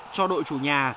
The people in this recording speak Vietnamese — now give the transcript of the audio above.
cho đội chủ nhà